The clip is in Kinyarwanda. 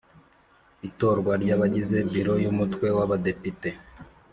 Itorwa ry abagize Biro y Umutwe w Abadepite